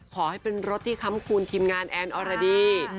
ขอให้เป็นรถที่ครั้งคูณทิ้งงานแอนอรนะดี